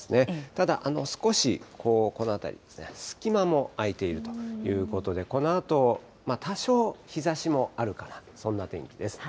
ただ、少しこの辺りですね、隙間も空いているということで、このあと多少、日ざしもあるかな、そんな天気です。